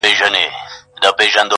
د بل په غم کښې بنده